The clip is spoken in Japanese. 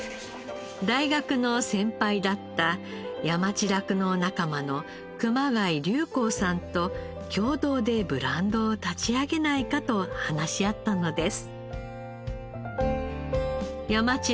大学の先輩だった山地酪農仲間の熊谷隆幸さんと共同でブランドを立ち上げないかと話し合ったのです。